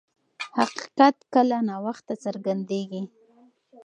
حقیقت کله ناوخته څرګندیږي.